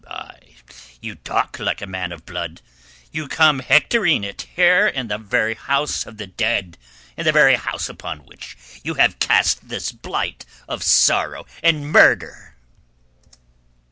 "Aye, you talk like a man of blood. You come hectoring it here in the very house of the dead—in the very house upon which you have cast this blight of sorrow and murder...."